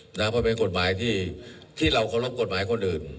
เพราะเป็นกฎหมายที่เราเคารพกฎหมายคนอื่น